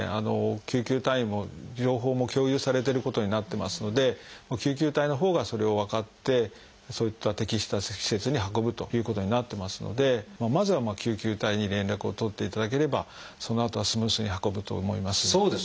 救急隊員も情報も共有されてることになってますので救急隊のほうがそれを分かってそういった適した施設に運ぶということになってますのでまずは救急隊に連絡を取っていただければそのあとはスムーズに運ぶと思います。